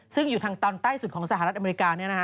ซึ่งอยู่ทางตอนใต้สุดของสหรัฐอเมริกา